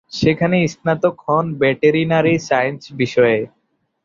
সেখানে স্নাতক হন ভেটেরিনারি সায়েন্স বিষয়ে।